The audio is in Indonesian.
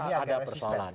saya pun kira ada persoalan